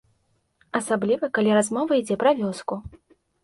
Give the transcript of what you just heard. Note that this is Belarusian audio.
Асабліва, калі размова ідзе пра вёску.